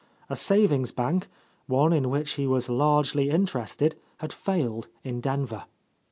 A savings bank, one in which he was largely interested, had failed in Denver.